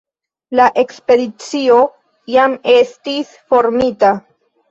La ekspedicio jam estis formita.